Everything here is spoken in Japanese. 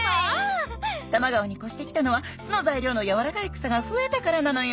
多摩川に越してきたのは巣の材料のやわらかい草が増えたからなのよ。